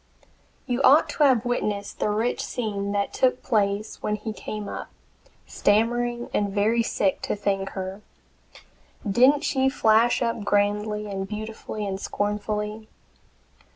You ought to have witnessed the rich scene that took place when he came up, stammering and very sick, to thank her! Didn't she flash up grandly and beautifully and scornfully?